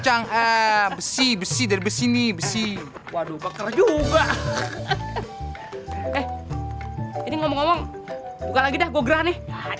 iya dong cang besi besi dari besi ini besi waduh bakal juga eh ini ngomong ngomong buka lagi dah gua gerah nih cepetan buka nih